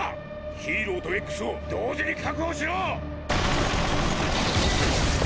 ヒーローとＸを同時に確保しろ！